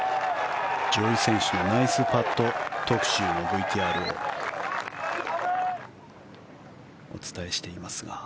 上位選手のナイスパット特集のＶＴＲをお伝えしていますが。